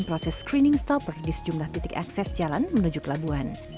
proses screening stopper di sejumlah titik akses jalan menuju pelabuhan